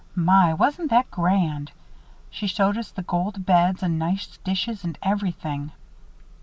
My! wasn't that grand! She showed us the gold beds and nice dishes and everything."